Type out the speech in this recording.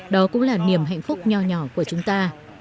đó cũng là niềm hạnh phúc nhỏ nhỏ của chúng ta